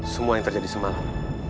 semua yang terjadi semalam